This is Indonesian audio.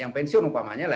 yang pensiun upamanya